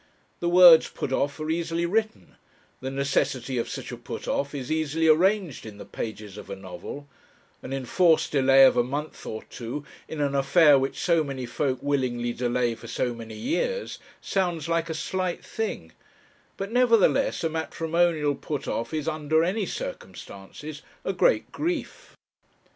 The words 'put off' are easily written, the necessity of such a 'put off' is easily arranged in the pages of a novel; an enforced delay of a month or two in an affair which so many folk willingly delay for so many years, sounds like a slight thing; but, nevertheless, a matrimonial 'put off' is, under any circumstances, a great grief.